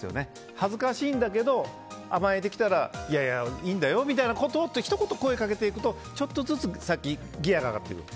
恥ずかしいんだけど甘えてきたらいいんだよみたいなことをひと言、声掛けていくとちょっとずつギアが上がってくる。